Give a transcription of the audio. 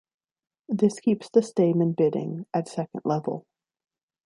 This keeps the Stayman bidding at second level.